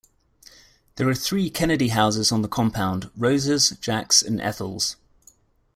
There are three Kennedy houses on the compound: Rose's, Jack's, and Ethel's.